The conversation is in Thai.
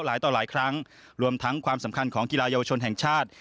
หลายต่อหลายครั้งรวมทั้งความสำคัญของกีฬาเยาวชนแห่งชาติ